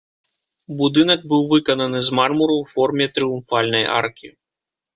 Будынак быў выкананы з мармуру ў форме трыумфальнай аркі.